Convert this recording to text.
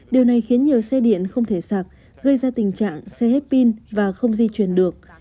điều này khiến nhiều xe điện không thể sạc gây ra tình trạng xe hết pin và không di chuyển được